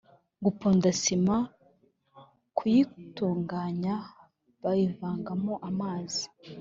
guponda sima: kuyitunganya bayivangamo amazi